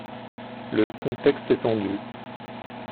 Le contexte est tendu.